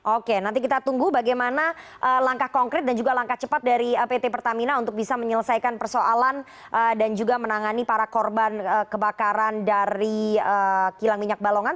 oke nanti kita tunggu bagaimana langkah konkret dan juga langkah cepat dari pt pertamina untuk bisa menyelesaikan persoalan dan juga menangani para korban kebakaran dari kilang minyak balongan